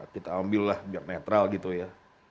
kita ambillah biar netral gitu ya